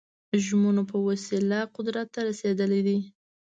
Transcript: ژمنو په وسیله قدرت ته رسېدلي دي.